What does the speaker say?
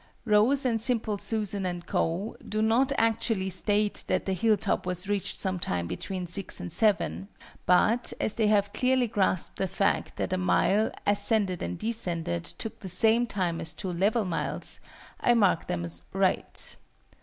ROSE and SIMPLE SUSAN and CO. do not actually state that the hill top was reached some time between 6 and 7, but, as they have clearly grasped the fact that a mile, ascended and descended, took the same time as two level miles, I mark them as "right."